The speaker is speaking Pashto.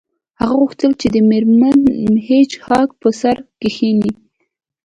هغه غوښتل چې د میرمن هیج هاګ په سر کښینی